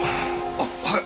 あっはい。